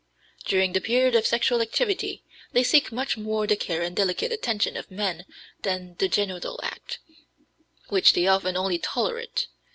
"During the period of sexual activity they seek much more the care and delicate attention of men than the genital act, which they often only tolerate.